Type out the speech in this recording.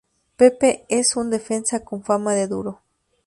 Pepe es un defensa con fama de duro.